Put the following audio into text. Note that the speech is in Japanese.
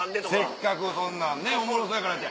せっかくそんなねっおもろそうやからって。